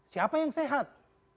siapa yang sehat